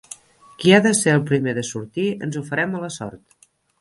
Qui ha d'ésser el primer de sortir, ens ho farem a la sort.